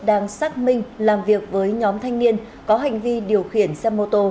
đang xác minh làm việc với nhóm thanh niên có hành vi điều khiển xe mô tô